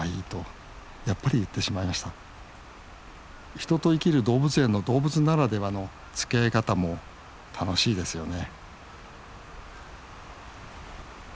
人と生きる動物園の動物ならではのつきあい方も楽しいですよね